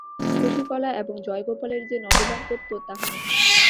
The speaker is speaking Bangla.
শশিকলা এবং জয়গোপালের যে নবদাম্পত্য তাহা নহে।